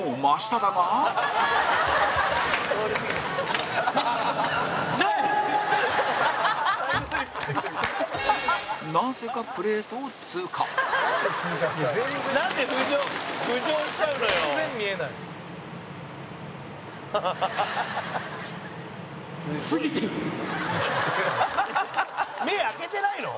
山崎：目開けてないの？